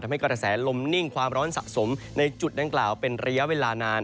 ทำให้กระแสลมนิ่งความร้อนสะสมในจุดดังกล่าวเป็นระยะเวลานาน